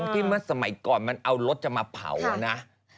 ที่เมื่อสมัยก่อนมันเอารถจะมาเผาอะนะ